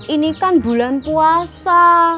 ini kan bulan puasa